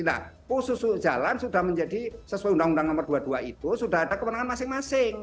nah posisi jalan sudah menjadi sesuai undang undang nomor dua puluh dua itu sudah ada kewenangan masing masing